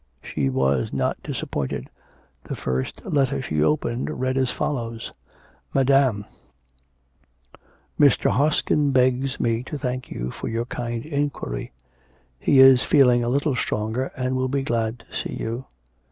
She was. not disappointed; the first letter she opened read as follows: MADAM, Mr. Hoskin begs me to thank you for your kind inquiry. He is feeling a little stronger and will be glad to see you.